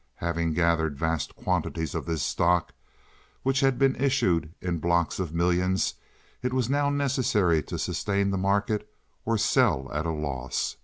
Having gathered vast quantities of this stock, which had been issued in blocks of millions, it was now necessary to sustain the market or sell at a loss.